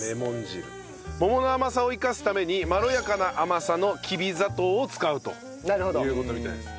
桃の甘さを生かすためにまろやかな甘さのきび砂糖を使うという事みたいです。